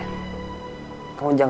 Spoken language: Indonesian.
kamu jangan kemana mana